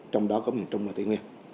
trong đó có mình trong là tuyên nguyên